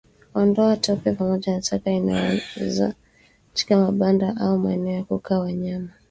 Ondoa tope pamoja na taka inayooza katika mabanda au maeneo ya kukaa wanyama